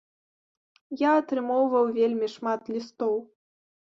Я атрымоўваў вельмі шмат лістоў.